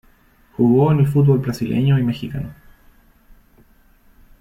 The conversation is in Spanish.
Jugó en el fútbol brasileño y mexicano.